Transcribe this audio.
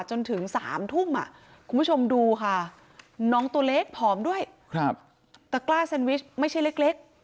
จนถึง๓ทุ่มคุณผู้ชมดูค่ะน้องตัวเล็กผอมด้วยตะกล้าเซนวิชไม่ใช่เล็ก